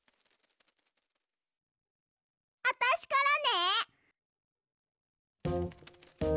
あたしからね！